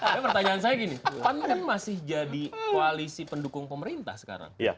tapi pertanyaan saya gini pan kan masih jadi koalisi pendukung pemerintah sekarang